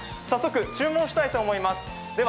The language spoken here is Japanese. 早速注文したいと思います。